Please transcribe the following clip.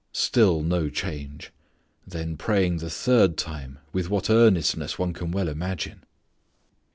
Still no change. Then praying the third time with what earnestness one can well imagine.